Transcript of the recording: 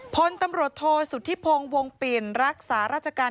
พลตำรวจโทษสุธิพงศ์วงปิ่นรักษาราชการ